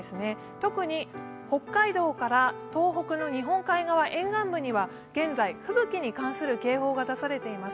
特に北海道から東北の日本海側沿岸部には現在、吹雪に関する警報が出されています。